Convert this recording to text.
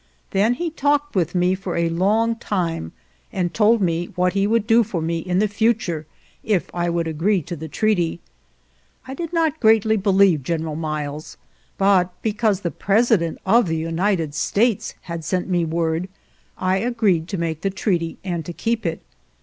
Then he talked with me for a long time and told me what he would do for me in the future if I would agree to the treaty. I did not greatly believe General Miles, but be cause the President of the United States had sent me word I agreed to make the treaty, and to keep it.